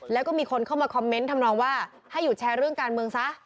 แล้วก็มีคนเข้ามาคอมเมนต์ทำนองว่าให้หยุดแชร์เรื่องการเมืองซะ